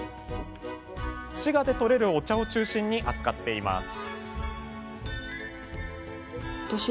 滋賀でとれるお茶を中心に扱っています。